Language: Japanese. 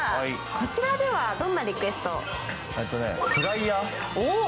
こちらでは、どんなリクエストを？